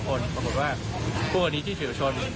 ปรากฏว่าภูมิในที่เฉียวชน